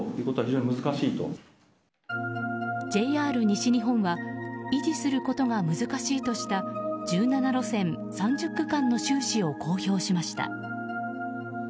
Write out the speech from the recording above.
ＪＲ西日本は維持することが難しいとした１７路線３０区間の収支を公表しました。